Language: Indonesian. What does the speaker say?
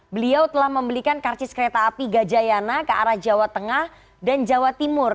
beliau telah membelikan karcis kereta api gajayana ke arah jawa tengah dan jawa timur